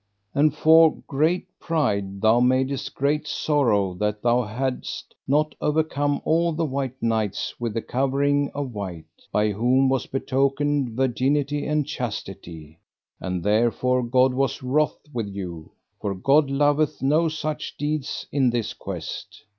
And for great pride thou madest great sorrow that thou hadst not overcome all the white knights with the covering of white, by whom was betokened virginity and chastity; and therefore God was wroth with you, for God loveth no such deeds in this quest.